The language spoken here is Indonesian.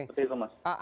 seperti itu mas